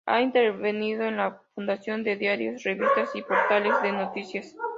Ha intervenido en la fundación de diarios, revistas y portales de noticias.